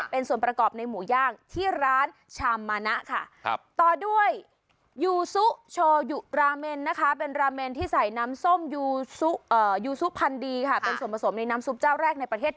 เป็นส่วนประกอบในหมูย่างที่ร้านชามมานะค่ะ